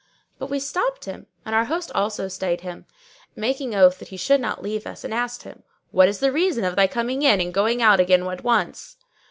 But we stopped him and our host also stayed him, making oath that he should not leave us and asked him, "What is the reason of thy coming in and going out again at once?"